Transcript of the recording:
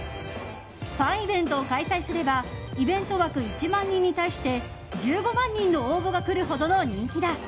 ファンイベントを開催すればイベント枠１万人に対して１５万人の応募が来るほどの人気だ。